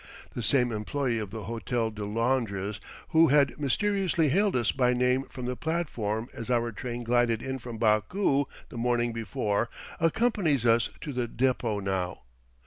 The same employee of the Hotel de Londres who had mysteriously hailed us by name from the platform as our train glided in from Baku the morning before, accompanies us to the depot now.